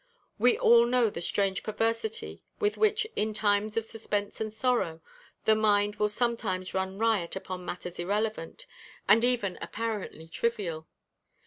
We all know the strange perversity with which, in times of suspense and sorrow, the mind will sometimes run riot upon matters irrelevant, and even apparently trivial.